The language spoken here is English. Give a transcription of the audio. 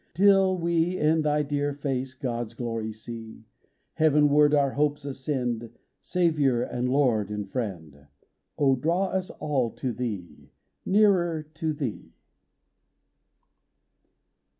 Till we in Thy dear face God's glory see ! Heavenward our hopes ascend, Saviour and Lord and Friend ! Oh, draw us all to Thee, Nearer to Thee